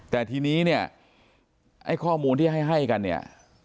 แต่ทีนี้ข้อมูลที่ให้กันเนี่ย